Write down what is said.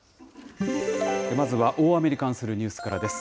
まずは大雨に関するニュースからです。